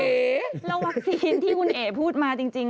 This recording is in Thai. แล้ววัคซีนที่คุณเอ๋พูดมาจริง